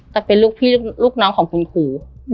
แต่เป็นลูกพี่ลูกน้องของคุณครู